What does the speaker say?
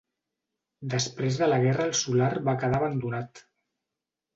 Després de la guerra el solar va quedar abandonat.